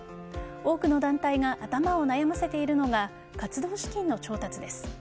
多くの団体が頭を悩ませているのが活動資金の調達です。